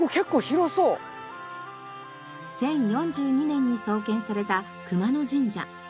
１０４２年に創建された熊野神社。